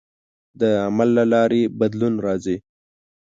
د عمل له لارې بدلون راځي.